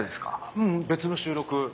ううん別の収録。